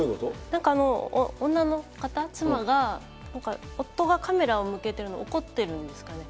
なんか女の方、妻が、なんか夫がカメラを向けてるの怒ってるんですかね。